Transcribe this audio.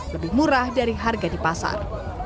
lebih murah dari harga di pasar